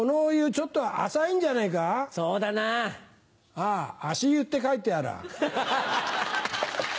あっ「足湯」って書いてあらぁ。